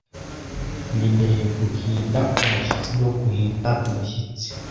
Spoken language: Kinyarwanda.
binteye guhinda umushyitsi no guhinda umushyitsi